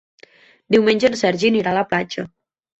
Diumenge en Sergi anirà a la platja.